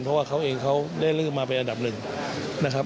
เพราะว่าเขาเองเขาได้ลืมมาเป็นอันดับหนึ่งนะครับ